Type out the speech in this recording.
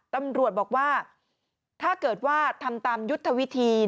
ตำรวจบอกว่าถ้าเกิดว่าทำตามยุทธวิธี